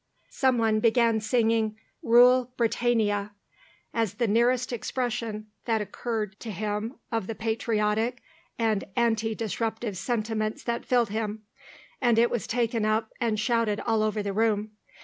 Someone began singing "Rule Britannia," as the nearest expression that occurred to him of the patriotic and anti disruptive sentiments that filled him, and it was taken up and shouted all over the room.